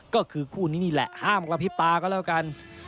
ก็คือคู่นี้นี่แหละห้ามกระพริบตาก็แล้วกัน